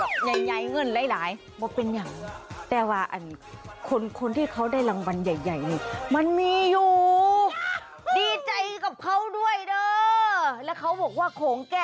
คุณผู้ชมพวกเราทำบุญมาน้อย